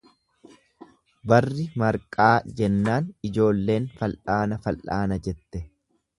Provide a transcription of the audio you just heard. Barri marqaa jennaan ijoolleen fal'aana, fal'aana, jette.